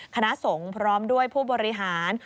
คณะสงฆ์พร้อมด้วยผู้บริหาร